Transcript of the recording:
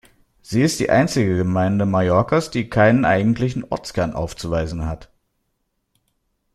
Sie ist die einzige Gemeinde Mallorcas, die keinen eigentlichen Ortskern aufzuweisen hat.